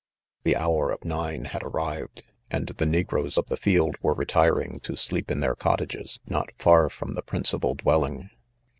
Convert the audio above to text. The homr of nine ItLid arrived, and the negroes of the field wore re tiring to sleep in their cottages, not far from ' the principal dwelling.